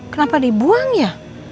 kenapa dibuang ya